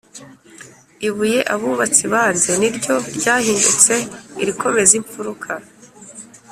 Ibuye abubaatsi banze, niryo ryahindutse irikomeza impfuruka